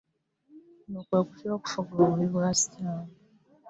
Kuno kwe kutya okufuga obubi bwa Setaani